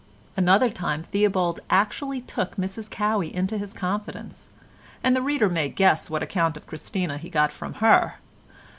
Another time Theobald actually took Mrs Cowey into his confidence, and the reader may guess what account of Christina he got from her.